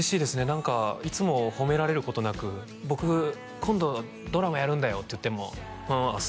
何かいつも褒められることなく僕今度ドラマやるんだよって言ってもふんあっ